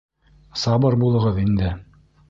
Сабыр булығыҙ инде.